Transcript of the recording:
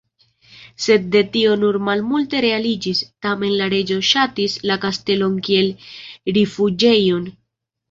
Sed de tio nur malmulte realiĝis, tamen la reĝo ŝatis la kastelon kiel rifuĝejon.